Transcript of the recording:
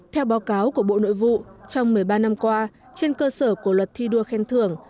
theo báo cáo của bộ nội vụ trong một mươi ba năm qua trên cơ sở của luật thi đua khen thưởng